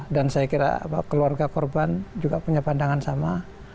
dan saya kira keluarga korban juga punya pandangan sama